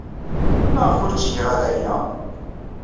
Maɣef ur ttgeɣ ara aya?